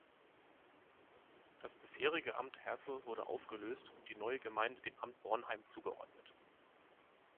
Das bisherige Amt Hersel wurde aufgelöst und die neue Gemeinde dem Amt Bornheim zugeordnet.